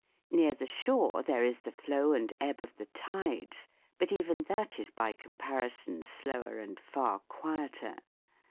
Near the shore there is the flow and ebb of the tides, but even that is by comparison slower and far quieter.